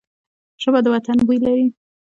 ژبه د وطن بوی لري